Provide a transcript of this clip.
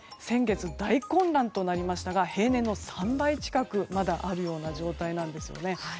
先月、大混乱となりましたが平年の３倍近くまだあるような状態なんですね。